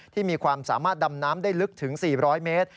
มีความสามารถดำน้ำได้ลึกถึง๔๐๐เมตร